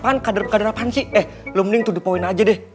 pan kader kader apaan sih eh lo mending to the point aja deh